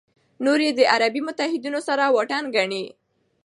نور یې د عربي متحدینو سره واټن ګڼي.